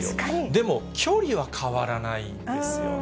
でも距離は変わらないですよね。